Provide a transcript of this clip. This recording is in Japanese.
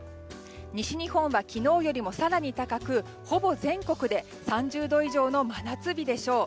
西日本は昨日より更に高くほぼ全国で３０度以上の真夏日でしょう。